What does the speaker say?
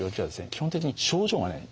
基本的に症状がない。